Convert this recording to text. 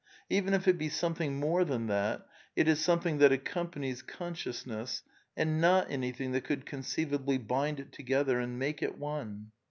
Even if it be something more than that, it is something that accompanies consciousness and not anything that could conceivably bind it together and make it one.